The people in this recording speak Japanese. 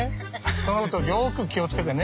そのことよく気をつけてね。